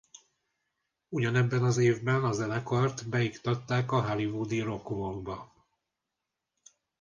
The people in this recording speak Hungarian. Ugyanebben az évben a zenekart beiktatták a hollywoodi Rock Walkba.